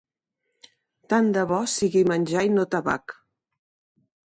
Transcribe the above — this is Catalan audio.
Tant de bo sigui menjar i no tabac.